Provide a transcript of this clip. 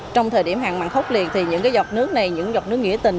trong thời điểm hạn mặn khốc liệt thì những cái giọt nước này những giọt nước nghĩa tình